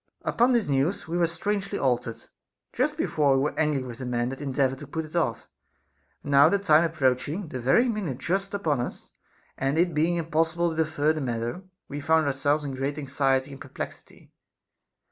19. Upon this news we were strangely altered. Just before we were angry with the man that endeavored to put it off ; and now the time approaching, the very minute just upon us, and it being impossible to defer the matter, we found ourselves in great anxiety and perplexity.